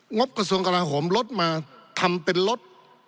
งบกระทรวงกลาโหมรถมาทำเป็นรถ